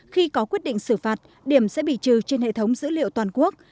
khi có quyết định xử phạt điểm sẽ bị trừ trên hệ thống dữ liệu toàn quốc